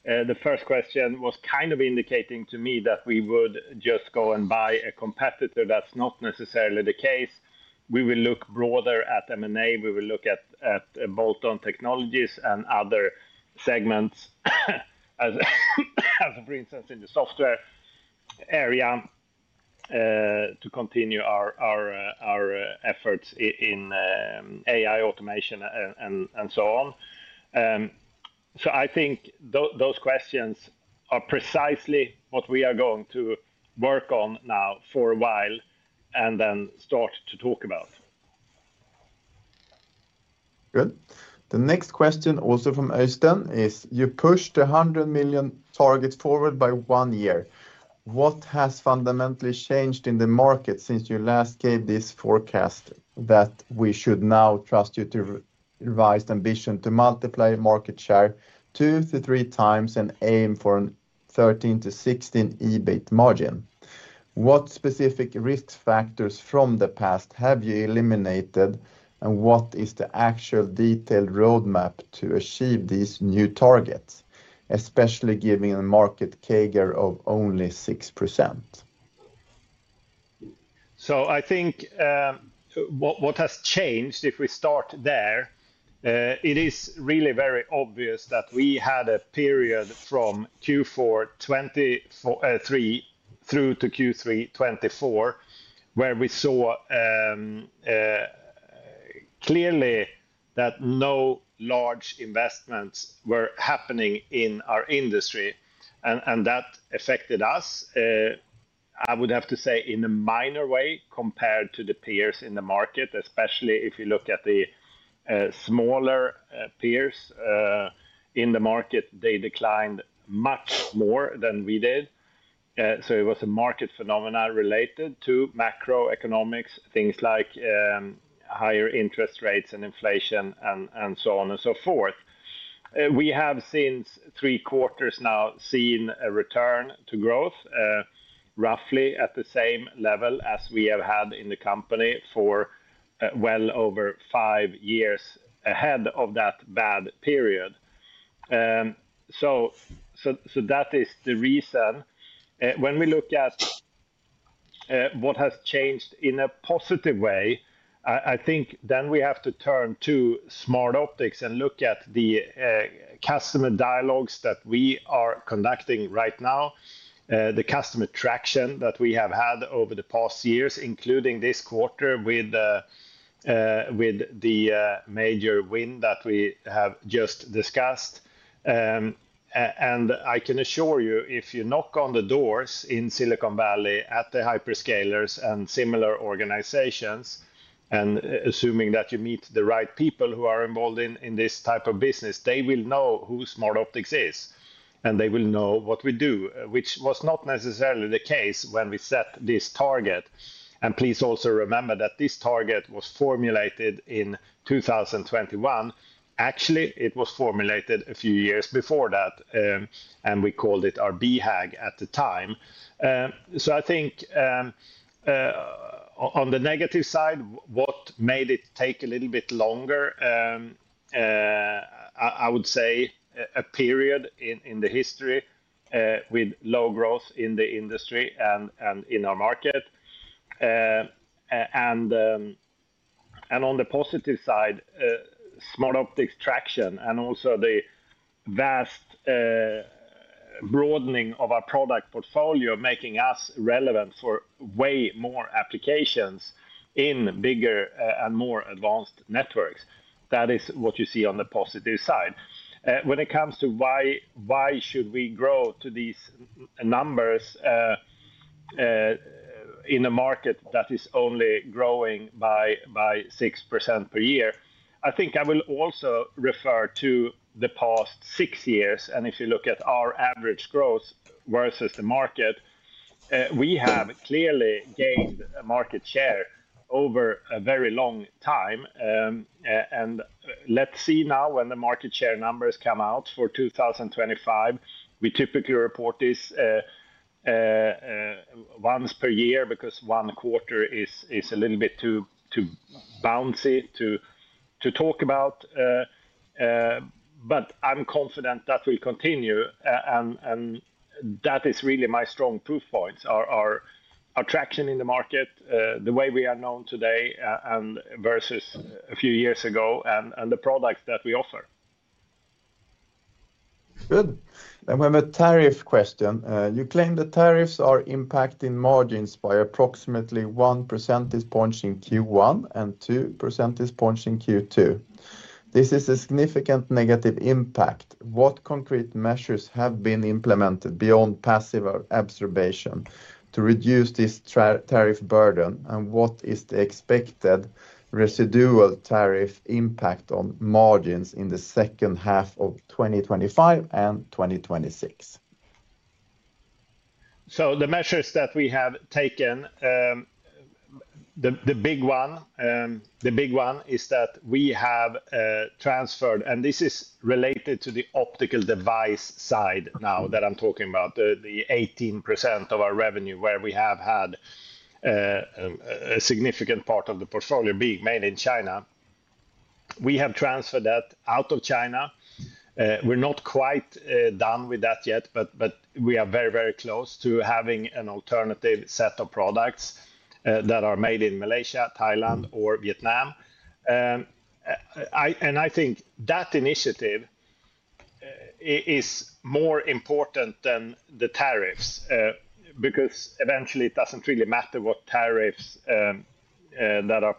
The first question was kind of indicating to me that we would just go and buy a competitor. That's not necessarily the case. We will look broader at M&A. We will look at bolt-on technologies and other segments, as for instance, in the software area to continue our efforts in AI automation and so on. I think those questions are precisely what we are going to work on now for a while and then start to talk about. Good. The next question also from Øystein is, you pushed $100 million targets forward by 1 year. What has fundamentally changed in the market since you last gave this forecast that we should now trust you to revise ambition to multiply market share 2-3x and aim for a 13%-16% EBIT margin? What specific risk factors from the past have you eliminated, and what is the actual detailed roadmap to achieve these new targets, especially given a market CAGR of only 6%? I think what has changed, if we start there, it is really very obvious that we had a period from Q4 2023 through to Q3 2024 where we saw clearly that no large investments were happening in our industry. That affected us, I would have to say, in a minor way compared to the peers in the market, especially if you look at the smaller peers in the market. They declined much more than we did. It was a market phenomenon related to macroeconomics, things like higher interest rates and inflation and so on and so forth. We have since three quarters now seen a return to growth roughly at the same level as we have had in the company for well over 5 years ahead of that bad period. That is the reason. When we look at what has changed in a positive way, I think then we have to to Smartoptics and look at the customer dialogues that we are conducting right now, the customer traction that we have had over the past years, including this quarter with the major win that we have just discussed. I can assure you, if you knock on the doors in Silicon Valley at the hyperscalers and similar organizations, and assuming that you meet the right people who are involved in this type of business, they will who Smartoptics is, and they will know what we do, which was not necessarily the case when we set this target. Please also remember that this target was formulated in 2021. Actually, it was formulated a few years before that, and we called it our [BHAG] at the time. On the negative side, what made it take a little bit longer, I would say a period in the history with low growth in the industry and in our market. On the positive side, Smartoptics traction and also the vast broadening of our product portfolio making us relevant for way more applications in bigger and more advanced networks. That is what you see on the positive side. When it comes to why should we grow to these numbers in a market that is only growing by 6% per year, I think I will also refer to the past 6 years. If you look at our average growth versus the market, we have clearly gained market share over a very long time. Let's see now when the market share numbers come out for 2025. We typically report this once per year because one quarter is a little bit too bouncy to talk about. I'm confident that we'll continue. That is really my strong proof points. Our traction in the market, the way we are known today versus a few years ago, and the products that we offer. Good. We have a tariff question. You claim the tariffs are impacting margins by approximately 1% in Q1 and 2% in Q2. This is a significant negative impact. What concrete measures have been implemented beyond passive absorption to reduce this tariff burden? What is the expected residual tariff impact on margins in the second half of 2025 and 2026? The measures that we have taken, the big one is that we have transferred, and this is related to the optical device side now that I'm talking about, the 18% of our revenue where we have had a significant part of the portfolio being made in China. We have transferred that out of China. We're not quite done with that yet, but we are very, very close to having an alternative set of products that are made in Malaysia, Thailand, or Vietnam. I think that initiative is more important than the tariffs because eventually, it doesn't really matter what tariffs are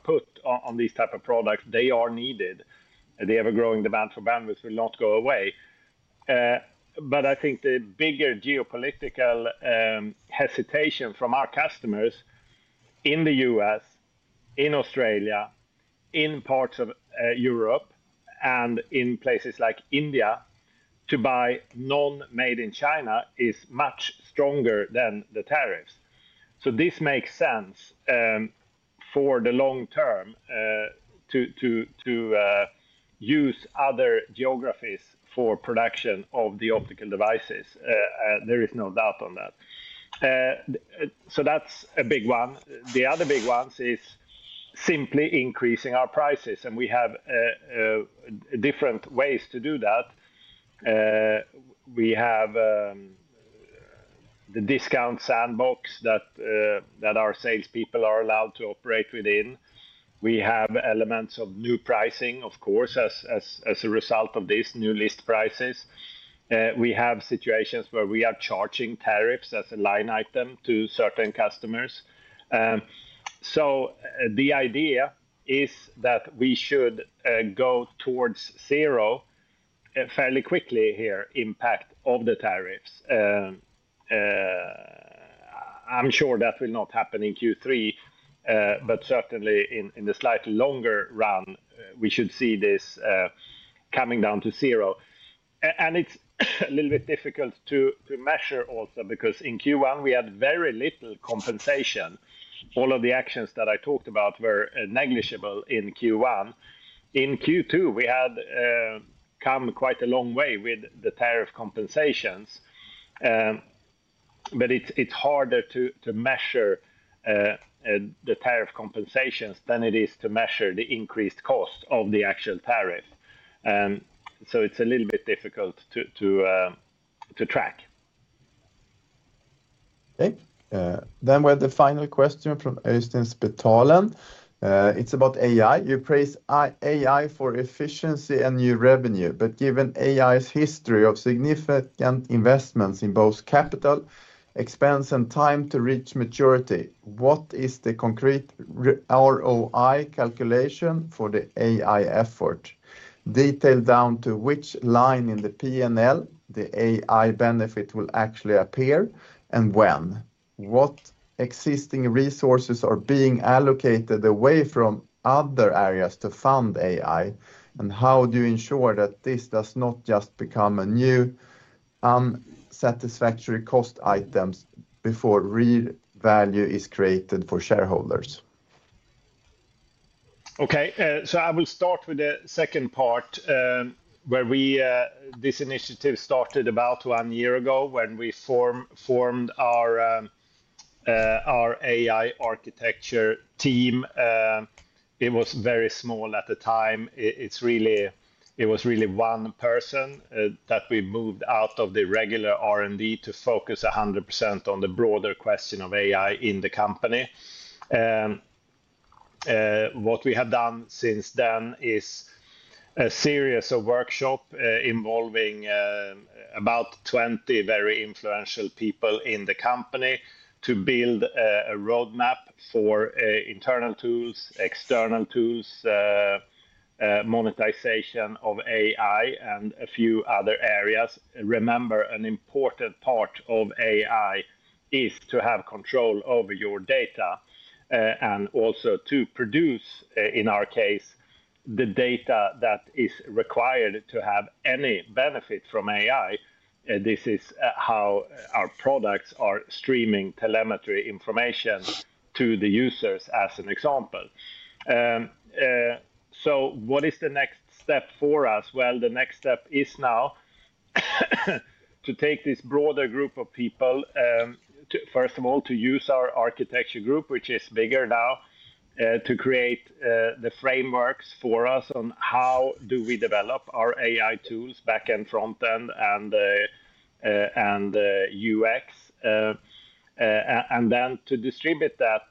put on these types of products. They are needed. They have a growing demand for bandwidth. It will not go away. I think the bigger geopolitical hesitation from our customers in the U.S., in Australia, in parts of Europe, and in places like India to buy non-made in China is much stronger than the tariffs. This makes sense for the long term to use other geographies for production of the optical devices. There is no doubt on that. That's a big one. The other big ones are simply increasing our prices. We have different ways to do that. We have the discount sandbox that our salespeople are allowed to operate within. We have elements of new pricing, of course, as a result of this, new list prices. We have situations where we are charging tariffs as a line item to certain customers. The idea is that we should go towards zero fairly quickly here, impact of the tariffs. I'm sure that will not happen in Q3, but certainly in the slightly longer run, we should see this coming down to zero. It's a little bit difficult to measure also because in Q1, we had very little compensation. All of the actions that I talked about were negligible in Q1. In Q2, we had come quite a long way with the tariff compensations. It's harder to measure the tariff compensations than it is to measure the increased cost of the actual tariff. It's a little bit difficult to track. Okay. We have the final question from Øystein Spetalen. It's about AI. You praise AI for efficiency and new revenue. Given AI's history of significant investments in both capital, expense, and time to reach maturity, what is the concrete ROI calculation for the AI effort? Detail down to which line in the P&L the AI benefit will actually appear and when. What existing resources are being allocated away from other areas to fund AI? How do you ensure that this does not just become a new unsatisfactory cost item before real value is created for shareholders? Okay. I will start with the second part where this initiative started about 1 year ago when we formed our AI architecture team. It was very small at the time. It was really one person that we moved out of the regular R&D to focus 100% on the broader question of AI in the company. What we have done since then is a series of workshops involving about 20 very influential people in the company to build a roadmap for internal tools, external tools, monetization of AI, and a few other areas. Remember, an important part of AI is to have control over your data and also to produce, in our case, the data that is required to have any benefit from AI. This is how our products are streaming telemetry information to the users as an example. The next step for us is to take this broader group of people, first of all, to use our architecture group, which is bigger now, to create the frameworks for us on how do we develop our AI tools, backend, frontend, and UX, and then to distribute that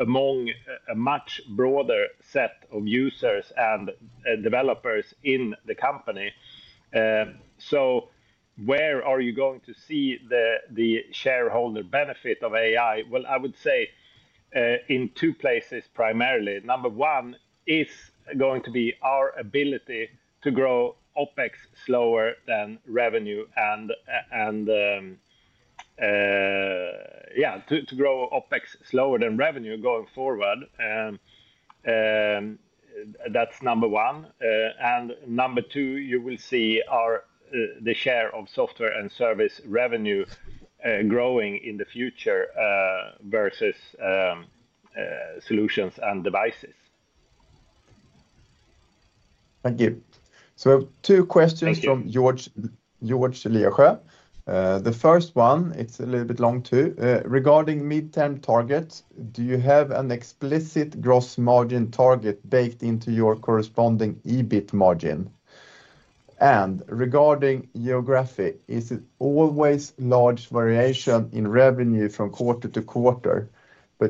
among a much broader set of users and developers in the company. Where are you going to see the shareholder benefit of AI? I would say in two places primarily. Number one is going to be our ability to grow OpEx slower than revenue and, yeah, to grow OpEx slower than revenue going forward. That's number one. Number two, you will see the share of software and service revenue growing in the future versus solutions and devices. Thank you. We have two questions from George Leaasjø] The first one, it's a little bit long too, regarding midterm targets, do you have an explicit gross margin target baked into your corresponding EBIT margin? Regarding geography, is it always large variation in revenue from quarter-to-quarter?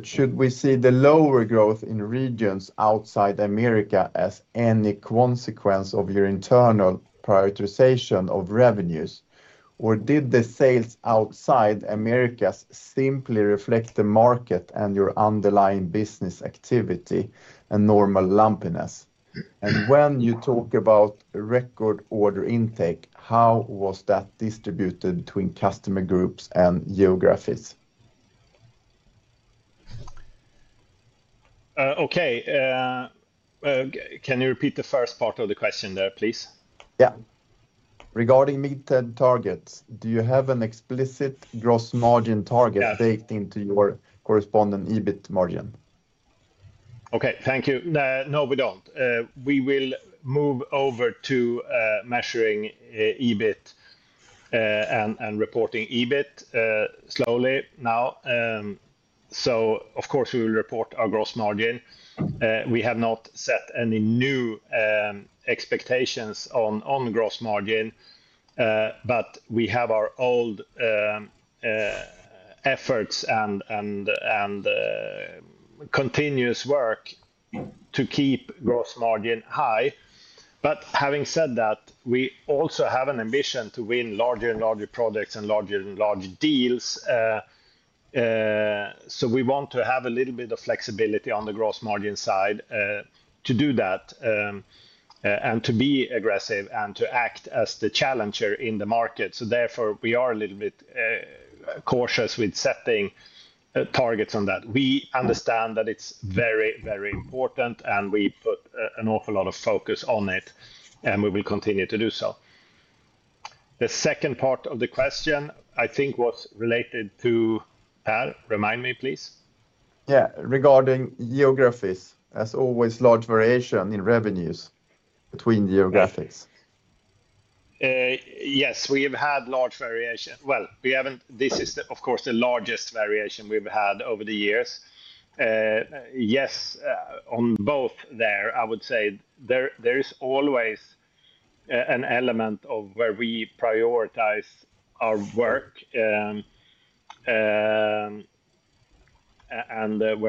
Should we see the lower growth in regions outside Americas as any consequence of your internal prioritization of revenues? Did the sales outside Americas simply reflect the market and your underlying business activity and normal lumpiness? When you talk about record order intake, how was that distributed between customer groups and geographies? Okay, can you repeat the first part of the question there, please? Regarding midterm targets, do you have an explicit gross margin target baked into your corresponding EBIT margin? Okay. Thank you. No, we don't. We will move over to measuring EBIT and reporting EBIT slowly now. Of course, we will report our gross margin. We have not set any new expectations on gross margin, but we have our old efforts and continuous work to keep gross margin high. Having said that, we also have an ambition to win larger and larger and logging deals. We want to have a little bit of flexibility on the gross margin side to do that, to be aggressive, and to act as the challenger in the market. Therefore, we are a little bit cautious with setting targets on that. We understand that it's very, very important, and we put an awful lot of focus on it, and we will continue to do so. The second part of the question, I think, was related to... Per, remind me, please. Yeah, regarding geographies, there's always large variation in revenues between geographies. Yes, we have had large variation. This is, of course, the largest variation we've had over the years. Yes, on both there, I would say there is always an element of where we prioritize our work and where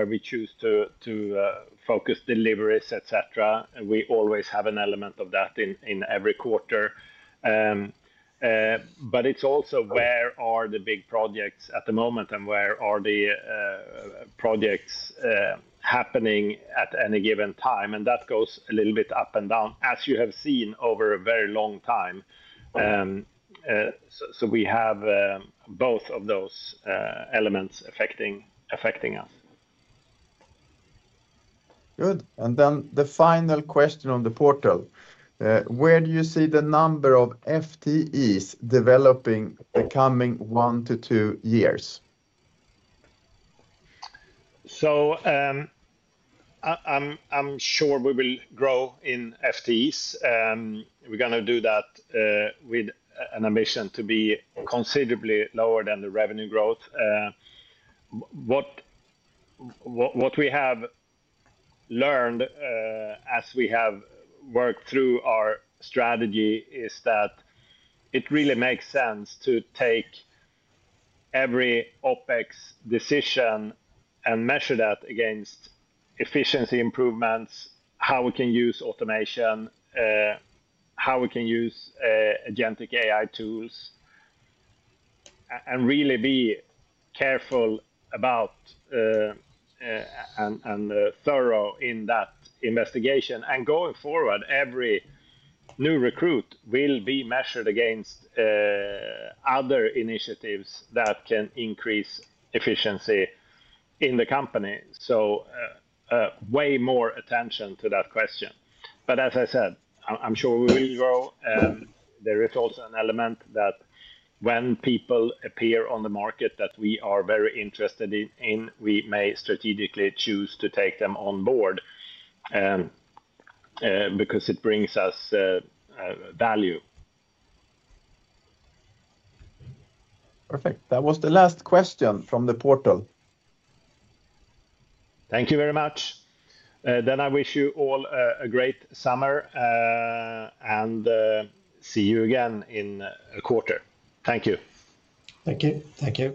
we choose to focus deliveries, etc. We always have an element of that in every quarter. It is also where are the big projects at the moment and where are the projects happening at any given time. That goes a little bit up and down, as you have seen over a very long time. We have both of those elements affecting us. Good. The final question on the portal. Where do you see the number of FTEs developing the coming 1-2 years? I'm sure we will grow in FTEs. We're going to do that with an ambition to be considerably lower than the revenue growth. What we have learned as we have worked through our strategy is that it really makes sense to take every OpEx decision and measure that against efficiency improvements, how we can use automation, how we can use agentic AI tools, and really be careful about and thorough in that investigation. Going forward, every new recruit will be measured against other initiatives that can increase efficiency in the company. Way more attention to that question. As I said, I'm sure we will grow. There is also an element that when people appear on the market that we are very interested in, we may strategically choose to take them on board because it brings us value. Perfect. That was the last question from the portal. Thank you very much. I wish you all a great summer and see you again in a quarter. Thank you. Thank you. Take care.